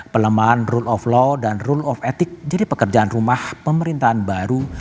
pelemahan rule of law dan rule of etik jadi pekerjaan rumah pemerintahan baru